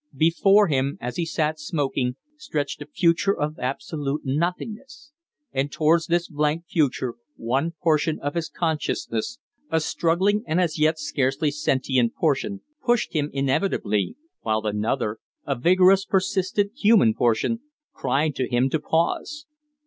Before him, as he sat smoking, stretched a future of absolute nothingness; and towards this blank future one portion of his consciousness a struggling and as yet scarcely sentient portion pushed him inevitably; while another a vigorous, persistent, human portion cried to him to pause.